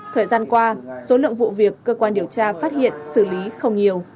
thời gian qua số lượng vụ việc cơ quan điều tra phát hiện xử lý không nhiều